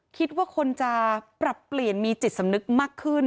คิดว่าคนจะปรับเปลี่ยนมีจิตสำนึกมากขึ้น